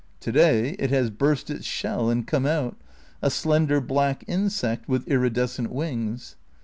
To day it has burst its shell and come out, a slender black insect with iridescent wings.